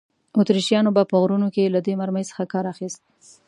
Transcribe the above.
اتریشیانو به په غرونو کې له دې مرمۍ څخه کار اخیست.